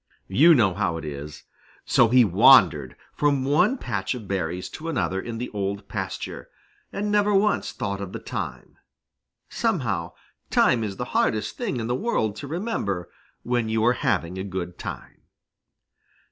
You know how it is. So he wandered from one patch of berries to another in the Old Pasture, and never once thought of the time. Somehow, time is the hardest thing in the world to remember, when you are having a good time.